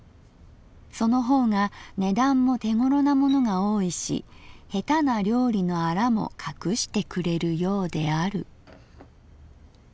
その方が値段も手ごろなものが多いし下手な料理のアラもかくしてくれるようである」。